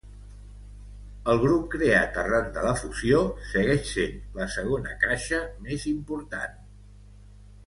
El grup creat arran de la fusió segueix sent la segona caixa més important.